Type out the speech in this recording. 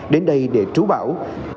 đến đây để trú bão